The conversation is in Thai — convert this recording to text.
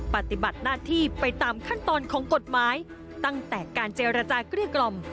ปฏิบัติหน้าที่ไปตามขั้นตอนของกฎหมายตั้งแต่การเจรจาเกลี้ยกล่อม